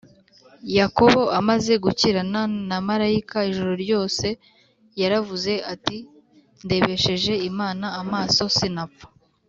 . Yakobo, amaze gukirana na Marayika ijoro ryose, yaravuze ati, ‘‘Ndebesheje Imana amaso, sinapfa.